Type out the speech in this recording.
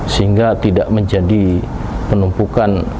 sehingga tidak menjadi penumpukan